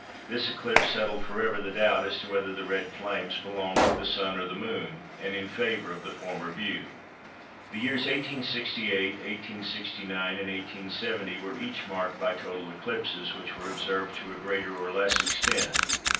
This eclipse settled for ever the doubt as to whether the Red Flames belonged to the Sun or the Moon, and in favour of the former view. The years 1868, 1869, and 1870 were each marked by total eclipses, which were observed to a greater or less extent.